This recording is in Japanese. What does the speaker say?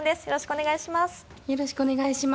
よろしくお願いします。